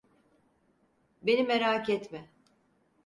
Beni merak etme.